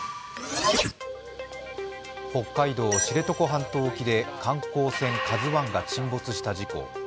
北海道・知床半島沖で観光船「ＫＡＺＵⅠ」が沈没した事故。